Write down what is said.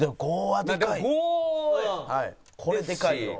これでかいよ。